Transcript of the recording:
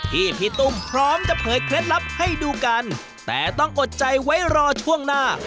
พี่ตุ้มพร้อมจะเผยเคล็ดลับให้ดูกันแต่ต้องอดใจไว้รอช่วงหน้า